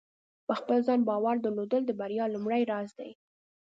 په خپل ځان باور درلودل د بریا لومړۍ راز دی.